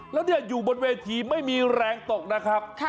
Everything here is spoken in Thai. แล้วอยู่บนเวทีไม่มีแรงตกนะครับ